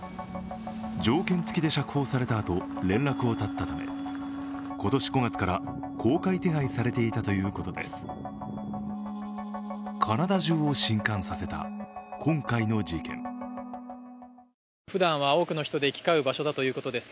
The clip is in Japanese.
条件つきで釈放されたあと連絡を絶ったため今年５月から、公開手配されていたということです。